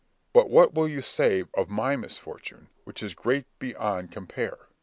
But what will you say of my misfortune, which is great beyond compare?